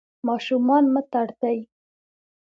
ماشومان مه ترټئ.